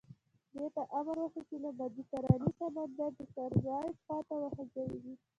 دې ته امر وشو چې له مدیترانې سمندره د کارائیب خوا ته وخوځېږي.